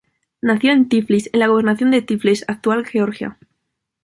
Nació en Tiflis en la Gobernación de Tiflis, actual Georgia.